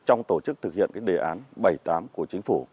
trong tổ chức thực hiện đề án bảy mươi tám của chính phủ